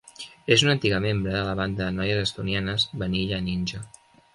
És una antiga membre de la banda de noies estonianes Vanilla Ninja.